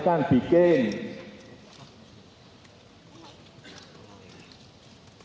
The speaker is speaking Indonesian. jangan diambil oleh orang lain